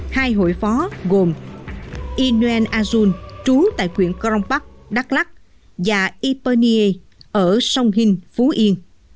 hai hội phó gồm inuen azul trú tại huyện kronpak đắk lắc và ipernie ở sông hinh phú yên